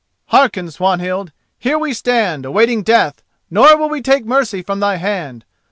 Hearken, Swanhild: here we stand, awaiting death, nor will we take mercy from thy hand.